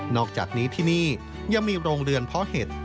อกจากนี้ที่นี่ยังมีโรงเรือนเพาะเห็ด